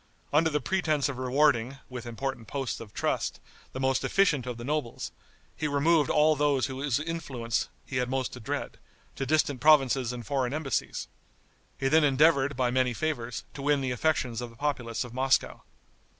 Under the pretense of rewarding, with important posts of trust, the most efficient of the nobles, he removed all those whose influence he had most to dread, to distant provinces and foreign embassies. He then endeavored, by many favors, to win the affections of the populace of Moscow.